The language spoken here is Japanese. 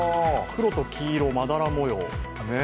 黒と黄色、まだら模様。